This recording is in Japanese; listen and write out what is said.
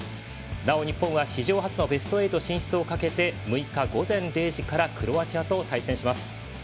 なお日本は史上初のベスト８進出をかけて６日午前０時からクロアチアと対戦します。